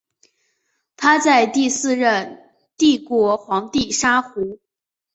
他在第四任帝国皇帝沙胡。